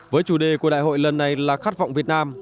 với chủ đề của đại hội lần này là khát vọng việt nam